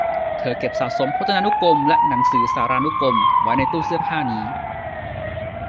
เธอเก็บสะสมพจนานุกรมและหนังสือสารานุกรมไว้ในตู้เสื้อผ้านี้